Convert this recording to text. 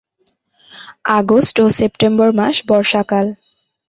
August ও September মাস বর্ষাকাল।